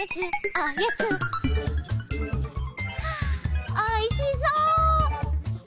おいしそう！